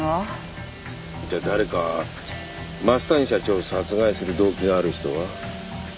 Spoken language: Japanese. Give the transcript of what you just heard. じゃあ誰か増谷社長を殺害する動機がある人は？